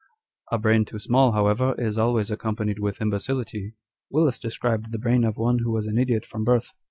A brain 'too small, however, is always accompanied with imbecility. Willis described the brain of one who was an idiot from birth.